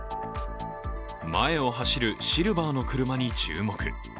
前を走るシルバーの車に注目。